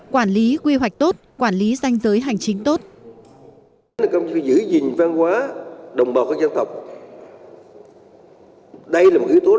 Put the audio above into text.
quản lý quy hoạch tốt quản lý danh giới hành chính tốt